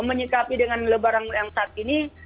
menyikapi dengan lebaran yang saat ini